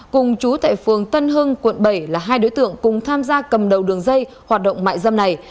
cùng chú tại phường tân hưng quận bảy là hai đối tượng cùng tham gia cầm đầu đường dây hoạt động mại dâm này